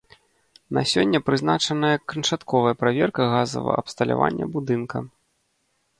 На сёння прызначаная канчатковая праверка газавага абсталявання будынка.